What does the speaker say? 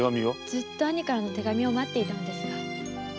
ずっと兄からの手紙を待っていたのですが。